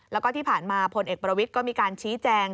แล้วก็ที่ผ่านมาพลเอกประวิทย์ก็มีการชี้แจง